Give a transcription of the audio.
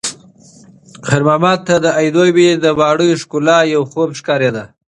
خیر محمد ته د عینومېنې د ماڼیو ښکلا یو خوب ښکارېده.